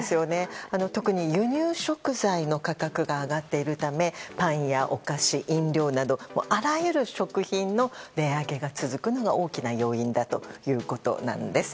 特に、輸入食材の価格が上がっているためパンやお菓子、飲料などあらゆる食品の値上げが続くのが大きな要因だということなんです。